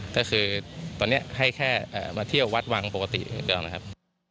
จากนี้ให้แค่มาเที่ยววัดวังปกติก็แล้วนะครับ